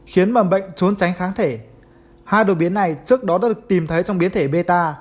khiến mầm bệnh trốn tránh kháng thể hai đột biến này trước đó đã được tìm thấy trong biến thể beta